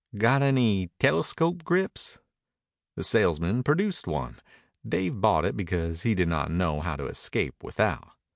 "Got any telescope grips?" The salesman produced one. Dave bought it because he did not know how to escape without.